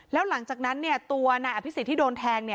แล้วหลังจากนั้นตัวนายอภิษฎที่โดนแทง